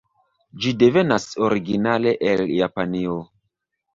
Ĝi devenas originale el Japanio.